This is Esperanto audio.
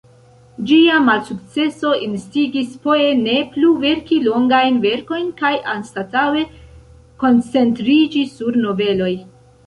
Ĝia malsukceso instigis Poe ne plu verki longajn verkojn, kaj anstataŭe koncentriĝi sur noveloj.